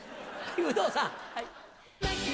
有働さん。